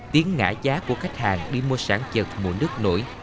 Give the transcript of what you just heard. tiếng ngã giá của khách hàng đi mua sản chật mùa nước nổi